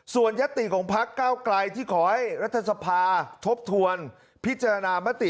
ส่วนยัตติของพักเก้าไกลที่ขอให้รัฐสภาทบทวนพิจารณามติ